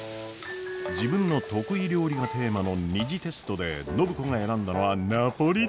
自分の得意料理がテーマの２次テストで暢子が選んだのはナポリタン！